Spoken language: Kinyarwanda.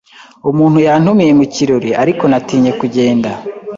Umuntu yantumiye mu kirori, ariko natinye kugenda.